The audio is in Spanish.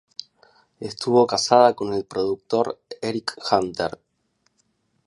Estuvo casada con el productor Eric Hunter.